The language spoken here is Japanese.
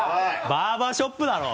バーバーショップだろ。